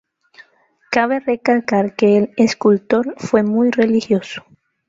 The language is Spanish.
Cabe recalcar que el escultor fue muy religioso.